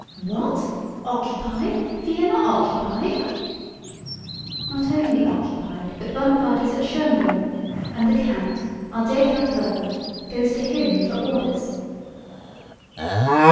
"What? Occupied? Vienna occupied?" "Not only occupied, but Bonaparte is at Schönbrunn, and the count, our dear Count Vrbna, goes to him for orders."